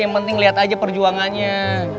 yang penting lihat aja perjuangannya